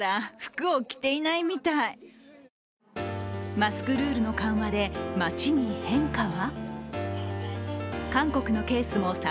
マスクルールの緩和で街に変化は？